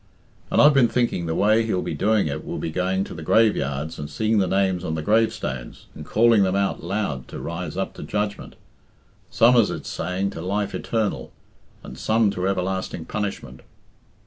"And I've been thinking the way he'll be doing it will be going to the graveyards and seeing the names on the gravestones, and calling them out loud to rise up to judgment; some, as it's saying, to life eternal, and some to everlasting punishment."